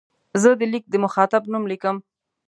زه د لیک د مخاطب نوم لیکم.